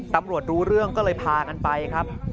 รู้เรื่องก็เลยพากันไปครับ